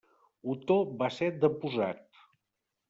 Otó va ser deposat.